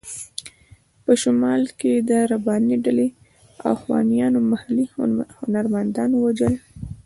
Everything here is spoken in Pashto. په شمال کې د رباني ډلې اخوانیانو محلي هنرمندان ووژل.